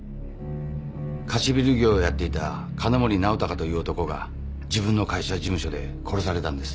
貸しビル業をやっていた金森直孝という男が自分の会社事務所で殺されたんです。